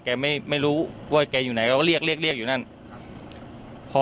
แกไม่รู้ว่าแกอยู่ไหนเราก็เรียกนั่ง